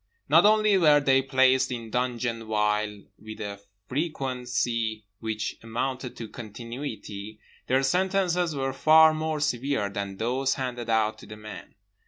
Not only were they placed in dungeon vile with a frequency which amounted to continuity; their sentences were far more severe than those handed out to the men.